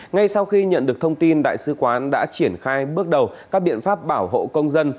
ngay sau khi nhận được thông tin đại sứ quán đã triển khai bước đầu các biện pháp bảo hộ công dân